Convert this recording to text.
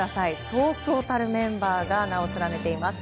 そうそうたるメンバーが名を連ねています。